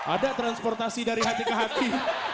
ada transportasi dari hati ke hati